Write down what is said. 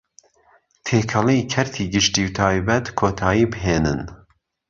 تێکهڵی کهرتی گشتی و تایبهت کۆتایی بهێنێنن